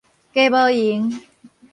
加無閒